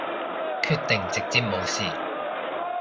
決定直接無視